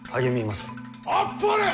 あっぱれ！